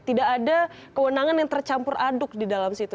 tidak ada kewenangan yang tercampur aduk di dalam situ